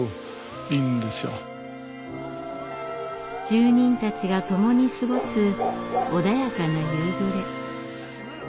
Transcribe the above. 住人たちが共に過ごす穏やかな夕暮れ。